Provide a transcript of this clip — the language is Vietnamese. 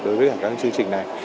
đối với cả các chương trình này